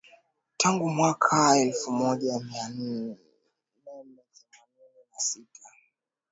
tangu mwaka elfu moja mia name themanini na sita